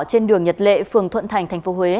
trên đường nhật lệ phường thuận thành tp huế